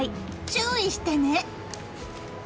注意してね！